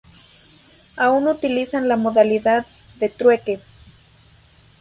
Aún utilizan la modalidad de trueque.